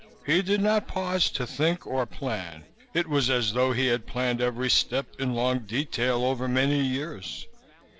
He did not pause to think or plan; it was as though he had planned every step, in long detail, over many years.